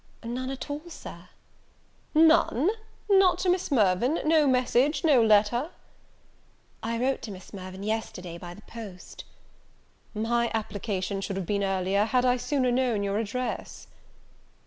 "None at all, Sir." "None! not to Miss Mirvan! no message! no letter!" "I wrote to Miss Mirvan yesterday by the post." "My application should have been earlier, had I sooner known your address."